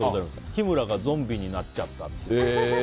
日村がゾンビになっちゃったって。